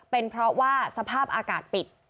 เป็นเพราะว่าสภาพอากาศปิด